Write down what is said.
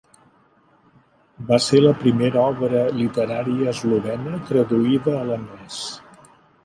Va ser la primera obra literària eslovena traduïda a l'anglès.